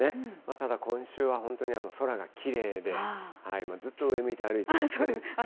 ただ、今週は本当に空がきれいで、ずっと上向いて歩いてます。